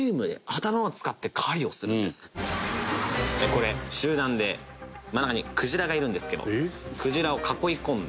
「これ集団で真ん中にクジラがいるんですけどクジラを囲い込んで」